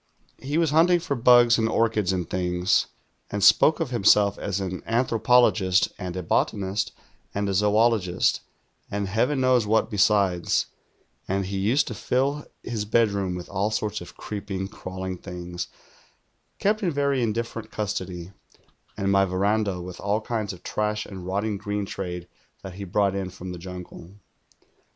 He was hunt ing for bugs and orchids and things, and spoke of liimself as an anthropologist and a botanist and a zoologist, and Heaven knows what besides; and he used to fill his bedroom with all sorts of creeping, crawling things, kept in very indifferent custody, ;ind my ^'eranda with all kinds of trash and rotting green trade that he brought in from the jimgle.